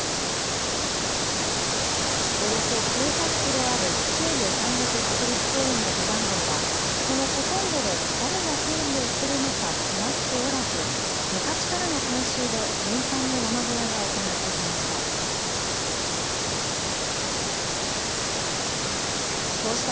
およそ９００キロある中部山岳国立公園の登山道は、そのほとんどで誰が整備をするのか決まっておらず、昔からの慣習で民間の山小屋が行ってきました。